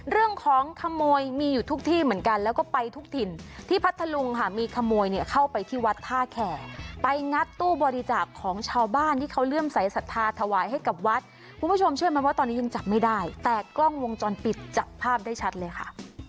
เรื่องของขโมยมีอยู่ทุกที่เหมือนกันแล้วก็ไปทุกถิ่นที่พัทธลุงค่ะมีขโมยเนี่ยเข้าไปที่วัดท่าแข่ไปงัดตู้บริจาคของชาวบ้านที่เขาเลื่อมสายศรัทธาถวายให้กับวัดคุณผู้ชมเชื่อไหมว่าตอนนี้ยังจับไม่ได้แต่กล้องวงจรปิดจับภาพได้ชัดเลยค่ะ